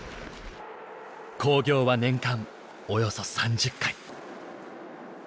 興行は年間およそ３０回。